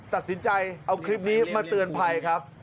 ตัดสินใจเอาคลิปนี้มาเตือนภัยครับ